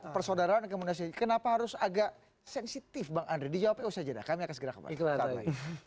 persaudaraan kemudian kenapa harus agak sensitif bang andri jawab saja kami akan segera kembali